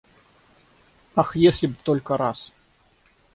Ах, если б только раз